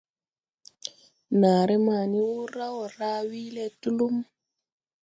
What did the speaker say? Naaré ma ni wur raw wo raa wuyle Tulum.